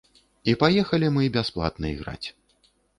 І паехалі мы бясплатны іграць.